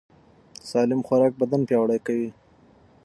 سالم خوراک بدن پیاوړی کوي.